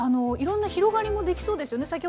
いろんな広がりもできそうですよね。